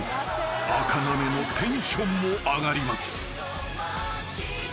［あかなめのテンションも上がります］